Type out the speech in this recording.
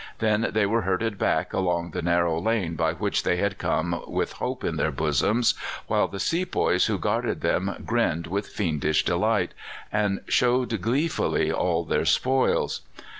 Then they were herded back along the narrow lane by which they had come with hope in their bosoms, while the sepoys who guarded them grinned with fiendish delight, and showed gleefully all their spoils.